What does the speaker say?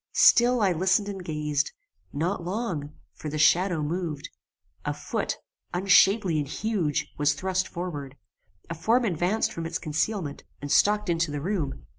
Still I listened and gazed. Not long, for the shadow moved; a foot, unshapely and huge, was thrust forward; a form advanced from its concealment, and stalked into the room.